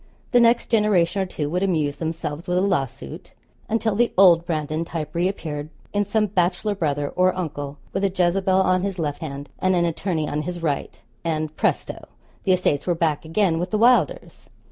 The next generation or two would amuse themselves with a lawsuit, until the old Brandon type reappeared in some bachelor brother or uncle, with a Jezebel on his left hand, and an attorney on his right, and, presto! the estates were back again with the Wylders.